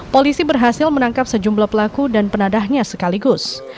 polisi berhasil menangkap sejumlah pelaku dan penadahnya sekaligus